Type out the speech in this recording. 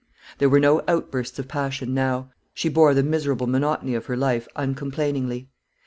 There were no outbursts of passion now. She bore the miserable monotony of her life uncomplainingly.